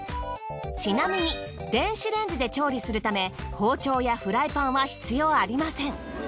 ちなみに電子レンジで調理するため包丁やフライパンは必要ありません。